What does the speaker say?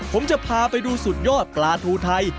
ผมจะพาไปดูสุดยอดปลาทูไทย